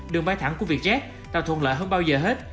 đường bay thẳng của việt jack tạo thuận lợi hơn bao giờ hết